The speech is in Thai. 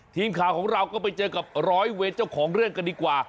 ทีมข่าวของเราก็ไปเจอกับร้อยเวรเจ้าของเรื่องกันดีกว่า